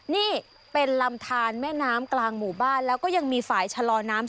นี่เป็นลำทานแม่น้ำกลางหมู่บ้านแล้วก็ยังมีฝ่ายชะลอน้ำ